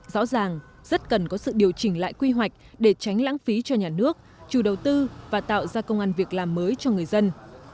rõ ràng rất cần có sự điều chỉnh lại quy hoạch để tránh lãng phí cho nhà nước chủ đầu tư và tạo ra công an việc làm mới cho người dân